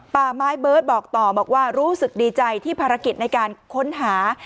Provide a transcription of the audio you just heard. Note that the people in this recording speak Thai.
ป่าไม้เบิร์ตบอกต่อบอกว่ารู้สึกดีใจที่ภารกิจในการค้นหา